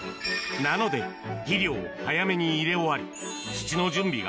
なので肥料を早めに入れ終わりだった